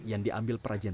yang diambil perajian rotan